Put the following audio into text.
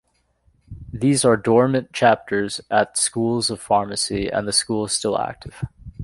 These are dormant chapters at schools of pharmacy, and the school is still active.